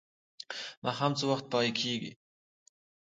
ماښام څه وخت پای کیږي؟